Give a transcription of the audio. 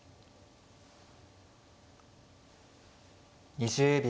２０秒。